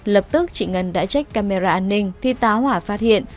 lập tức chị ngân đã trích camera an ninh thì tá hỏa phát hiện